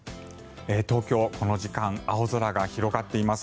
東京、この時間青空が広がっています。